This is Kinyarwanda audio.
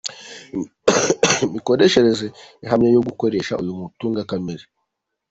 imikoreshereze ihamye yo gukoresha uyu mutungo kamere.